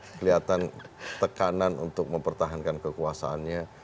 kelihatan tekanan untuk mempertahankan kekuasaannya